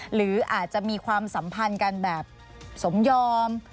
หรืออาจจะมีความสัมพันธ์กันแบบสมยอม